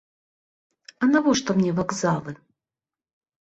А навошта мне вакзалы?